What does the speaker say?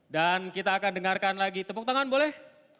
dan kita akan dengarkan lagi tepuk tangan boleh